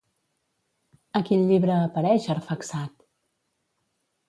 A quin llibre apareix Arfaxad?